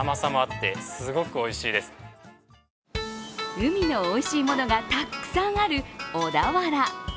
海のおいしいものがたくさんある小田原。